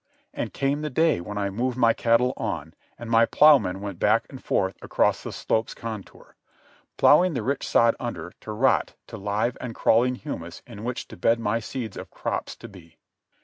And came the day when I moved my cattle on, and my plough men went back and forth across the slopes' contour—ploughing the rich sod under to rot to live and crawling humous in which to bed my seeds of crops to be.